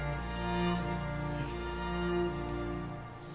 うん。